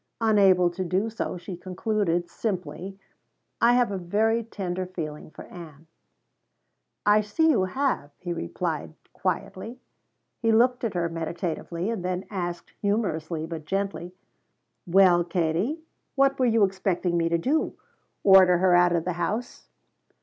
Unable to do so, she concluded simply: "I have a very tender feeling for Ann." "I see you have," he replied quietly. He looked at her meditatively, and then asked, humorously but gently: "Well Katie, what were you expecting me to do? Order her out of the house?"